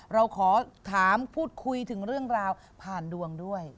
เราขอถามพูดคุยถึงเรื่องราวผ่านดวงด้วย